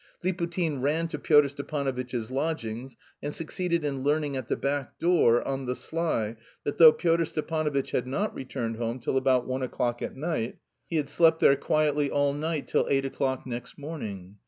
Liputin ran to Pyotr Stepanovitch's lodgings and succeeded in learning at the back door, on the sly, that though Pyotr Stepanovitch had not returned home till about one o'clock at night, he had slept there quietly all night till eight o'clock next morning.